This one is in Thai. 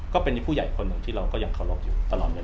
ก็เป็นผู้ใหญ่คนหนึ่งที่เราก็ยังเคารพอยู่ตลอดเวลา